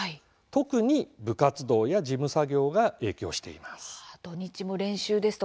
特に部活動や事務作業が影響しています。